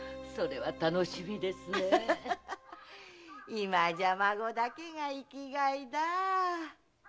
今じゃ孫だけが生きがいだぁ！